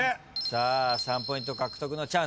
さあ３ポイント獲得のチャンス。